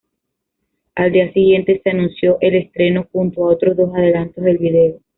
Al día siguiente se anunció el estreno junto a otros dos adelantos del video.